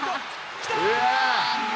きた！